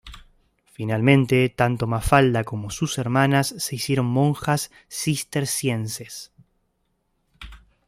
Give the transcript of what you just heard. Finalmente, tanto Mafalda como sus hermanas se hicieron monjas cistercienses.